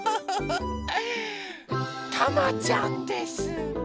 たまちゃんです！